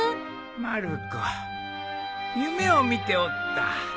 まる子夢を見ておった。